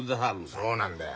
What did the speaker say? そうなんだよ。